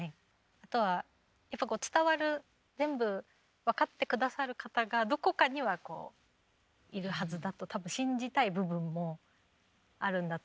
あとはやっぱこう伝わる全部分かって下さる方がどこかにはこういるはずだと多分信じたい部分もあるんだと思うんですけど。